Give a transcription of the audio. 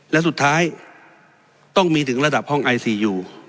และสุดท้ายต้องมีถึงระดับห้องไอซียู